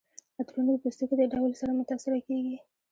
عطرونه د پوستکي د ډول سره متاثره کیږي.